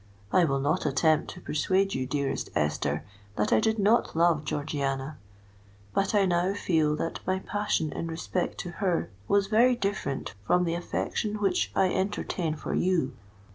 I will not attempt to persuade you, dearest Esther, that I did not love Georgiana;—but I now feel that my passion in respect to her was very different from the affection which I entertain for you.